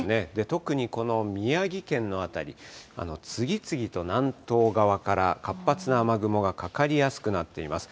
特にこの宮城県の辺り、次々と南東側から活発な雨雲がかかりやすくなっています。